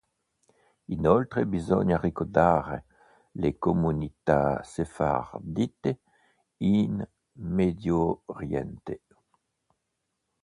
Inoltre, bisogna ricordare le comunità sefardite in medioriente.